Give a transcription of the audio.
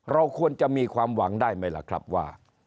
เราควรจะมีความหวังได้ไหมล่ะครับว่า